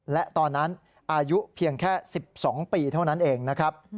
และตอนนั้นอายุเพียงแค่๑๒ปีเท่านั้นเองนะครับ